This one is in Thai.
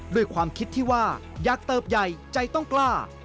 ด้วยความคิดที่ว่าอยากเติบใหญ่ใจต้องกล้า